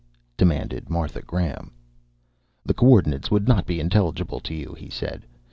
demanded Martha Graham. "The coordinates would not be intelligible to you," he said.